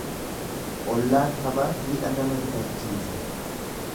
Ollaan hamaan mi'a nama bitachiisa.